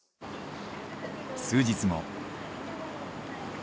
数日後。